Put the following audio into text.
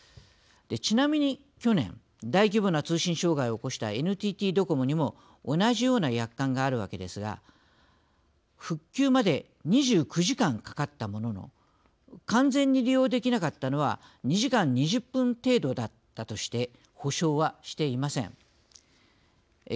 ちなみに、去年大規模な通信障害を起こしたＮＴＴドコモにも同じような約款があるわけですが復旧まで２９時間かかったものの完全に利用できなかったのは２時間２０分程度だったとして補償はしていません。